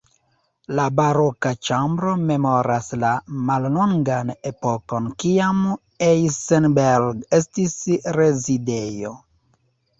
La Baroka ĉambro memoras la mallongan epokon kiam Eisenberg estis rezidejo.